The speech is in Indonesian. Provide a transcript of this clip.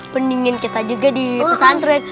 pendingin kita juga di pesantren